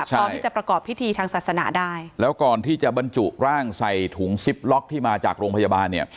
ตอนที่จะประกอบพิธีทางศาสนาได้แล้วก่อนที่จะบรรจุร่างใส่ถุงซิปล็อกที่มาจากโรงพยาบาลเนี่ย